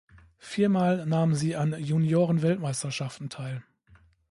Viermal nahm sie an Juniorenweltmeisterschaften teil.